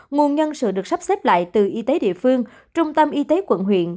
nguồn nhân sự được sắp xếp lại từ y tế địa phương trung tâm y tế quận huyện